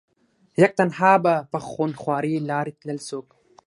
يک تنها به په خونخوارې لارې تلل څوک